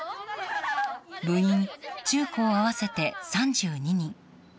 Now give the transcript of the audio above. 部員、中高合わせて３２人。